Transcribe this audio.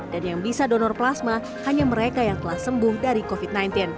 yang bisa donor plasma hanya mereka yang telah sembuh dari covid sembilan belas